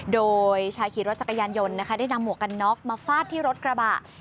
โดยชายขี่รถจักรยานยนต์นะคะได้นำหมวกกันน็อกมาฟาดที่รถกระบะ